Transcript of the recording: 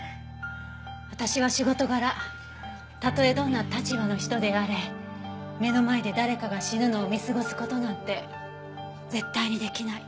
私は仕事柄たとえどんな立場の人であれ目の前で誰かが死ぬのを見過ごす事なんて絶対にできない。